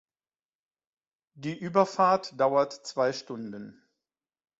Die Überfahrt dauert zwei Stunden.